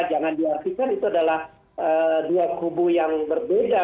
jangan diartikan itu adalah dua kubu yang berbeda